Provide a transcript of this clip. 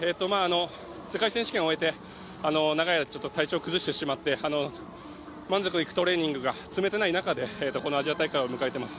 世界選手権を終えて、長い間体調を崩してしまって、満足のいくトレーニングが積めていない中でこのアジア大会を迎えてます。